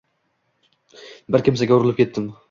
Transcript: Bir kimsaga urilib ketdim